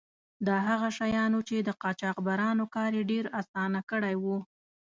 دا هغه شیان وو چې د قاچاقبرانو کار یې ډیر آسانه کړی و.